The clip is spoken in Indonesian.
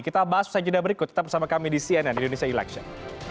kita bahas usai jeda berikut tetap bersama kami di cnn indonesia election